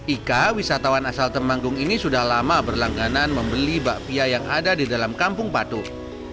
ika wisatawan asal temanggung ini sudah lama berlangganan membeli bakpia yang ada di dalam kampung patung